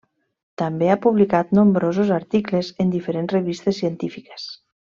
També ha publicat nombrosos articles en diferents revistes científiques.